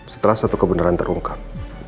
setelah satu kebenaran terungkap